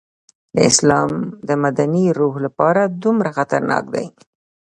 د اسلام د مدني روح لپاره دومره خطرناک دی.